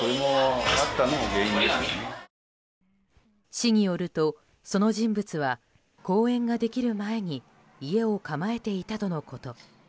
市によると、その人物は公園ができる前に家を構えていたとのこと。